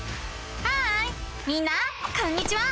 ハーイみんなこんにちは！